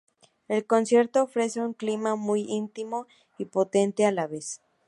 El concierto ofrece un clima muy íntimo y potente a la vez.